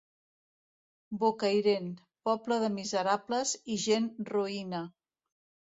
Bocairent, poble de miserables i gent roïna.